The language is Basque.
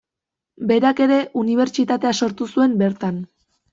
Berak ere unibertsitatea sortu zuen bertan.